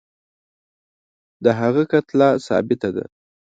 د هغه کتله ثابته ده.